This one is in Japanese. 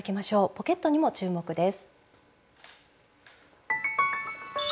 ポケットにも注目です。